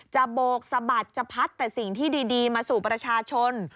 โบกสะบัดจะพัดแต่สิ่งที่ดีมาสู่ประชาชน